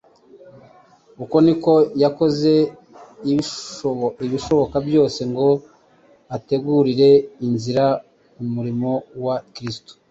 Uko niko yakoze ibishoboka byose ngo ategurire inzira umurimo wa Kristo.